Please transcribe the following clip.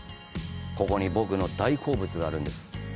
ここに僕の大好物があるんです。